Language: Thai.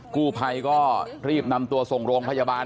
กู้ภัยก็รีบนำตัวส่งโรงพยาบาล